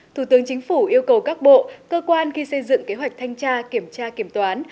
thủ tướng chính phủ yêu cầu các bộ cơ quan khi xây dựng kế hoạch thanh tra kiểm tra kiểm toán